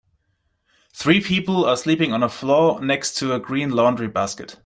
Three people are sleeping on a floor next to a green laundry basket